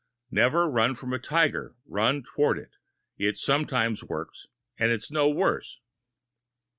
"Never run from a tiger run toward it. It sometimes works, and it's no worse."